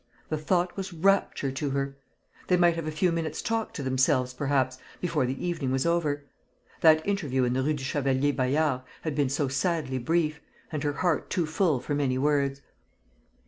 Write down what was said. The thought was rapture to her. They might have a few minutes' talk to themselves, perhaps, before the evening was over. That interview in the Rue du Chevalier Bayard had been so sadly brief, and her heart too full for many words.